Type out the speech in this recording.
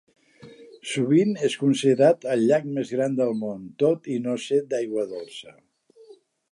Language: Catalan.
Sovint és considerat el llac més gran del món, tot i no ser d'aigua dolça.